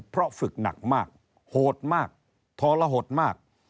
เพราะฝึกหนักมากโหดมากทรหดมาก